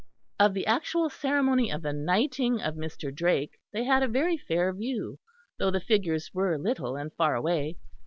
Of the actual ceremony of the knighting of Mr. Drake they had a very fair view, though the figures were little and far away.